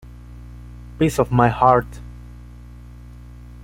Piece of my heart.